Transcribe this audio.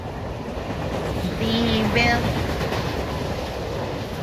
Dii bead.